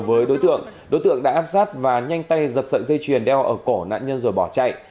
với đối tượng đối tượng đã áp sát và nhanh tay giật sợi dây chuyền đeo ở cổ nạn nhân rồi bỏ chạy